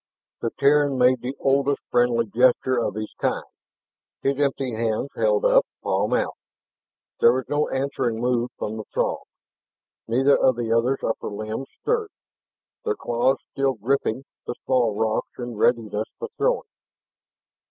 The Terran made the oldest friendly gesture of his kind; his empty hands held up, palm out. There was no answering move from the Throg. Neither of the other's upper limbs stirred, their claws still gripping the small rocks in readiness for throwing.